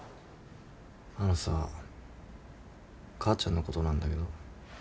あのさ母ちゃんのことなんだけど。